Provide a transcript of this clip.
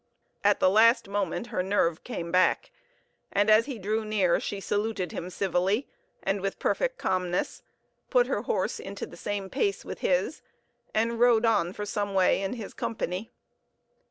At the last moment her nerve came back, and as he drew near she saluted him civilly and with perfect calmness, put her horse into the same pace with his, and rode on for some way in his company.